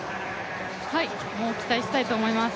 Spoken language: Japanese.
もう期待したいと思います。